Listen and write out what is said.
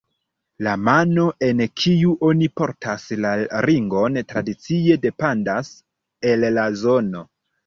La mano en kiu oni portas la ringon tradicie dependas el la zono.